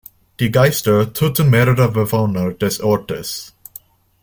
Die Geister töten mehrere Bewohner des Ortes.